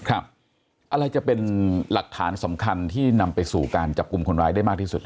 อะไรจะเป็นหลักฐานสำคัญที่นำไปสู่การจับกลุ่มคนร้ายได้มากที่สุด